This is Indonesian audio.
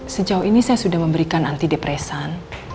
sejauh ini saya sudah memberikan antidepresan